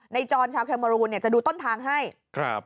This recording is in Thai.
ในจรชาวไต้หวันเนี่ยจะดูต้นทางให้ถูกครับ